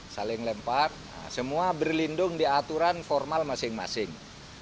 saling lempar semua berlindung di aturan formal masing masing